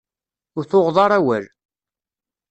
Ur tuɣeḍ ara awal.